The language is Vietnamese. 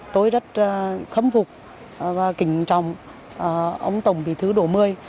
tôi rất khâm phục và kinh trọng ông tổng bỉ thứ đổ mươi